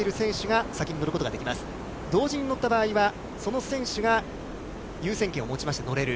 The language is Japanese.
同時に乗った場合は、その選手が優先権を持ちまして乗れる。